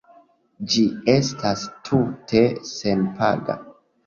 Ĝi estas tute senpaga.